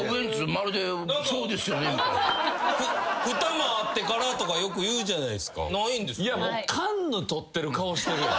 二間あってからとかよく言うじゃないですか。